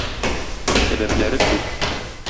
Сәбәпләре күп.